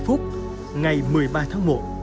một mươi sáu h ba mươi phút ngày một mươi ba tháng một